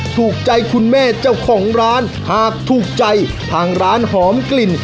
ถูกใจคุณแม่เจ้าของร้านหากถูกใจทางร้านหอมกลิ่น